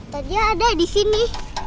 tadi ada disini